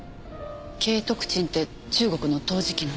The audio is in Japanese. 景徳鎮って中国の陶磁器の？